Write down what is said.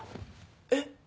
えっ？